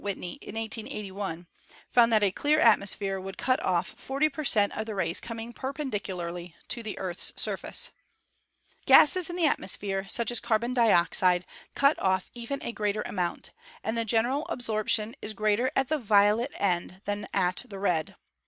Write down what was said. Whitney in 1881, found that a clear atmosphere would cut off 40 per cent, of the rays coming perpendicularly to the Earth's surface. Gases in the atmosphere, such as carbon dioxide, cut off even a greater amount, and the general absorption is greater at the violet end than at the red.